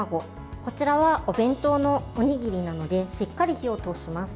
こちらはお弁当のおにぎりなのでしっかり火を通します。